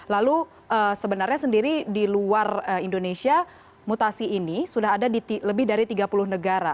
lalu sebenarnya sendiri di luar indonesia mutasi ini sudah ada di lebih dari tiga puluh negara